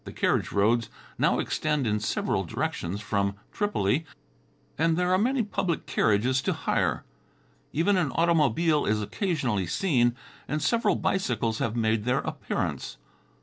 Carriage roads now extend in several directions from Tripoli, and there are many public carriages to hire; even an automobile is occasionally seen and several bicycles have made their appearance.